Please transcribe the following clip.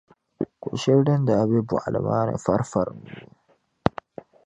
ko’ shɛli din daa be bɔɣili maa ni farifari nyuui.